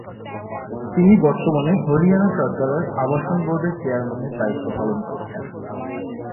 তিনি বর্তমানে হরিয়ানা সরকারের আবাসন বোর্ডের চেয়ারম্যানের দায়িত্ব পালন করছেন।